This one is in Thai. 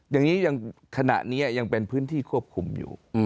อย่างนี้ขณะนี้ยังเป็นพื้นที่ควบคุมอยู่